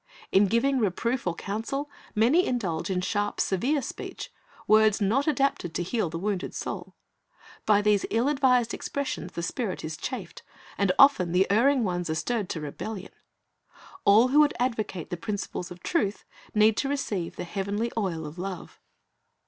In giving reproof or counsel, many indulge in sharp, severe speech, words not adapted to heal the wounded soul. By these ill advised expressions the spirit is chafed, and often the erring ones are stirred to rebellion. All who would advocate the principles of truth need to receive the heavenly oil of love.